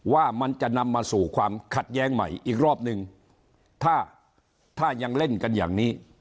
ว่ามันจะนำมาสู่ความขัดแย้งใหม่อีกรอบหนึ่งถ้าถ้ายังเล่นกันอย่างนี้